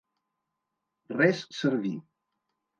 Res serví.